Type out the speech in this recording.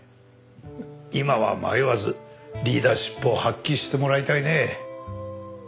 今は迷わずリーダーシップを発揮してもらいたいね。